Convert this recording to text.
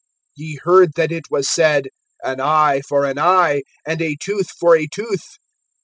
(38)Ye heard that it was said: An eye for an eye, and a tooth for a tooth.